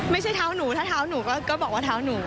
ไม่ใช่เท้าหนูถ้าเท้าหนูก็บอกว่าเท้าหนู